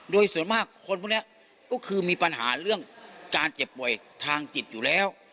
โดยส่วนมากคนพวกนี้ก็คือมีปัญหาเรื่องการเจ็บป่วยทางจิตอยู่แล้ว